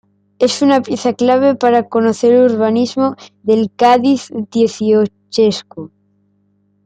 Es una pieza clave para conocer el urbanismo del Cádiz dieciochesco.